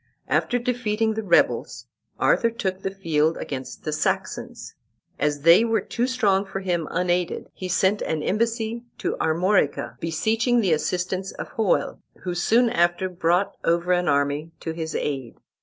After defeating the rebels, Arthur took the field against the Saxons. As they were too strong for him unaided, he sent an embassy to Armorica, beseeching the assistance of Hoel, who soon after brought over an army to his aid.